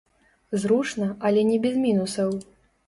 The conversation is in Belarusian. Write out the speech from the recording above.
Зручна, але не без мінусаў.